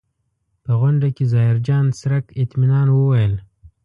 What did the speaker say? په غونډه کې ظاهرجان څرک اطمنان وویل.